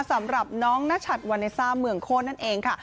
สำหรับน้องนชัดวาเนซ่าเมืองโคตรนั่นเองค่ะ